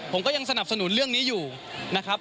ผมก็ยังสนับสนุนเรื่องนี้อยู่นะครับ